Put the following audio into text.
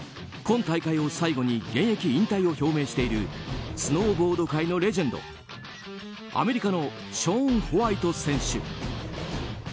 今大会を最後に現役引退を表明しているスノーボード界のレジェンドアメリカのショーン・ホワイト選手。